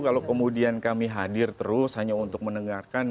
kalau kemudian kami hadir terus hanya untuk mendengarkan